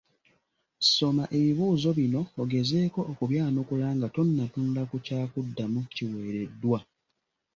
Soma ebibuuzo bino ogezeeko okubyanukula nga tonnatunula ku kyakuddamu kiweereddwa.